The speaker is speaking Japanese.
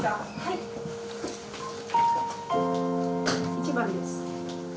１番です。